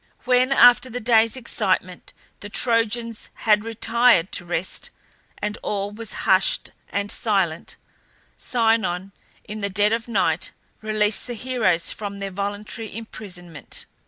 When, after the day's excitement, the Trojans had retired to rest, and all was hushed and silent, Sinon, in the dead of night, released the heroes from their voluntary imprisonment.